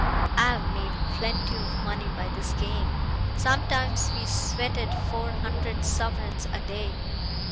I've made plenty of money by this game. Sometimes we sweated four hundred sovereigns a day.